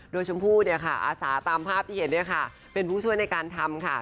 โดยชมพู่เนี่ยค่ะอาสาตามภาพที่เห็นเนี่ยค่ะเป็นผู้ช่วยในการทำค่ะ